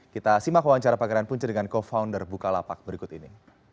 kita simak wawancara pangeran punce dengan co founder bukalapak berikut ini